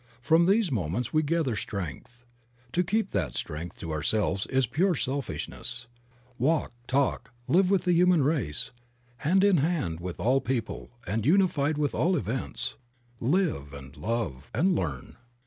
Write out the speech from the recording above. From these moments we gather strength. To keep that strength to ourselves is pure selfishness. Walk, talk, live with the human race, hand in hand with all people and unified with all events, live and love and learn.